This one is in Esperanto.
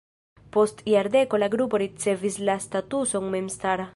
Post jardeko la grupo ricevis la statuson memstara.